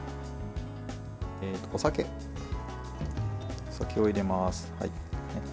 お酒を入れます。